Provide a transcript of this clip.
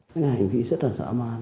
cái này mình nghĩ rất là dã man